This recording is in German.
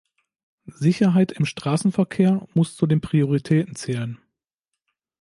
Sicherheit im Straßenverkehr muss zu den Prioritäten zählen.